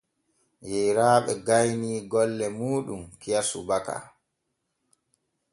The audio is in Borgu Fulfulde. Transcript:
Yeyraaɓe gaynii golle muuɗum kiya subaka.